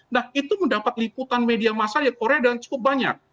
nah itu mendapat liputan media masa di korea dan cukup banyak